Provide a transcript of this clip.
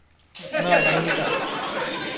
না, ডাইনি টা।